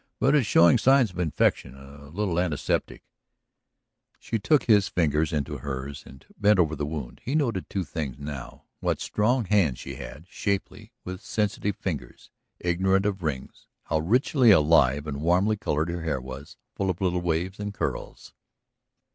But it's showing signs of infection. A little antiseptic ..." She took his fingers into hers and bent over the wound. He noted two things, now: what strong hands she had, shapely, with sensitive fingers ignorant of rings; how richly alive and warmly colored her hair was, full of little waves and curls.